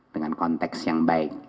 dengan konteks yang baik